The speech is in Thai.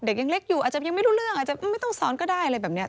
ยังเล็กอยู่อาจจะยังไม่รู้เรื่องอาจจะไม่ต้องสอนก็ได้อะไรแบบนี้